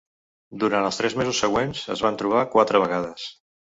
Durant els tres mesos següents es van trobar quatre vegades.